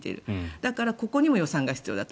だから、ここにも予算が必要だと。